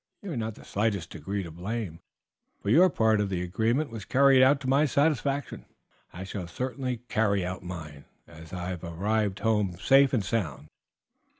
You are not in the slightest degree to blame, for your part of the agreement was carried out to my satisfaction. I shall certainly carry out mine, as I have arrived home safe and sound."